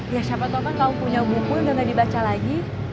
ya siapa tau kan kamu punya buku udah gak dibaca lagi